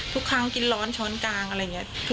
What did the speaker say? ทุกครั้งกินร้อนช้อนกลางอะไรอย่างนี้